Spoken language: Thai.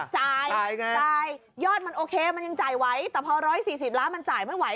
จ่ายไงจ่ายยอดมันโอเคมันยังจ่ายไว้แต่พอ๑๔๐ล้านมันจ่ายไม่ไหว